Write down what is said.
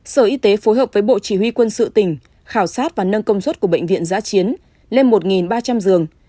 sở y tế phối hợp với bộ chỉ huy quân sự tỉnh khảo sát và nâng công suất của bệnh viện giã chiến lên một ba trăm linh giường